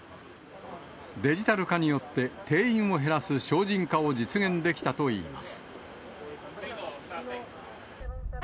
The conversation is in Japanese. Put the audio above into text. デジタル化によって、定員を減らす省人化を実現できたといいます。